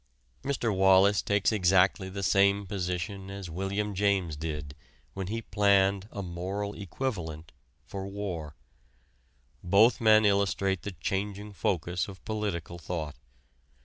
Mr. Wallas takes exactly the same position as William James did when he planned a "moral equivalent" for war. Both men illustrate the changing focus of political thought.